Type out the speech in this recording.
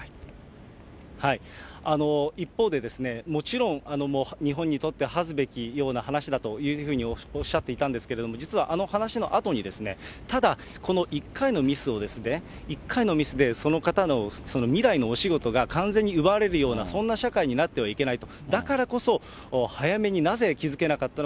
一方で、もちろん日本にとって恥ずべきような話だというふうにおっしゃっていたんですけれども、実はあの話のあとにですね、ただ、この１回のミスで、その方の未来のお仕事が完全に奪われるような、そんな社会になってはいけないと。